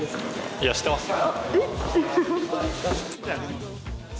いや、してますよ。